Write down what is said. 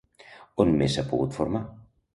On més s'ha pogut formar?